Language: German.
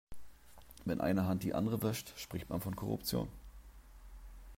Wenn eine Hand die andere wäscht, spricht man von Korruption.